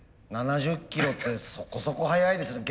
７０キロってそこそこ速いですよね。